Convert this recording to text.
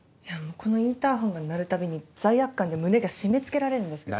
このインターホンが鳴るたびに罪悪感で胸が締め付けられるんですけど。